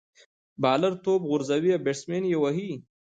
بالر توپ غورځوي، او بيټسمېن ئې وهي.